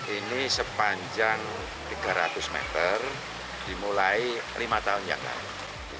ini sepanjang tiga ratus meter dimulai lima tahun yang lalu